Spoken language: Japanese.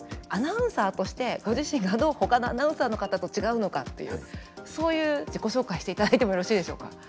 アナウンサーとしてご自身がどうほかのアナウンサーの方と違うのかというそういう自己紹介していただいてもよろしいでしょうか。